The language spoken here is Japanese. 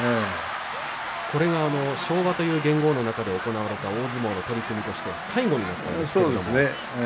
これが昭和という元号の中で行われた大相撲の取組としては最後の取組となったんですね。